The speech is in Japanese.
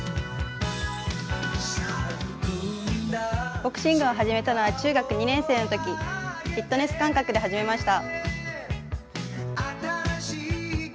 ボクシングを始めたのは中学２年生のとき、フィットネス感覚で始めました。